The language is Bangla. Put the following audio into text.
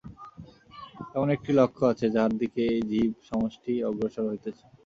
এমন একটি লক্ষ্য আছে, যাহার দিকে এই জীব-সমষ্টি অগ্রসর হইতেছে।